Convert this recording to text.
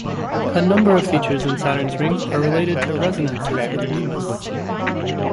A number of features in Saturn's rings are related to resonances with Mimas.